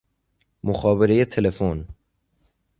مخابره تلفن